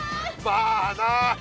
まあな。